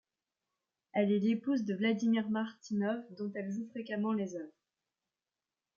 Elle est l'épouse de Vladimir Martynov, dont elle joue fréquemment les œuvres.